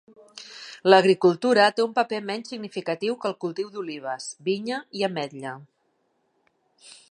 L'agricultura té un paper menys significatiu amb el cultiu d'olives, vinya i ametlla.